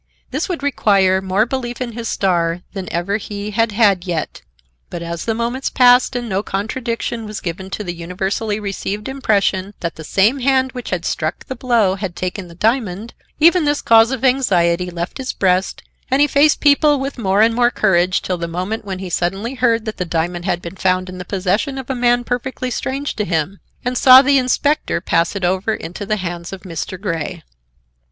This would require more belief in his star than ever he had had yet. But as the moments passed, and no contradiction was given to the universally received impression that the same hand which had struck the blow had taken the diamond, even this cause of anxiety left his breast and he faced people with more and more courage till the moment when he suddenly heard that the diamond had been found in the possession of a man perfectly strange to him, and saw the inspector pass it over into the hands of Mr. Grey.